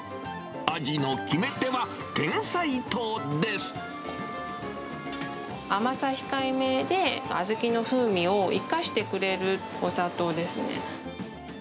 味の決め手は、甘さ控えめで、小豆の風味を生かしてくれるお砂糖ですね。